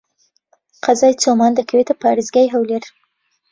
قەزای چۆمان دەکەوێتە پارێزگای هەولێر.